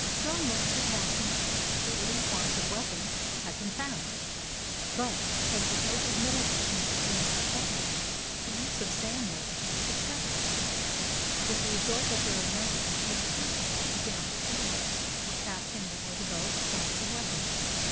Stone moulds for casting the early forms of weapons have been found, but, as the art of metalworking became perfected, the use of sand moulds was discovered, with the result that there are no extant examples of moulds for casting the more developed forms of weapons.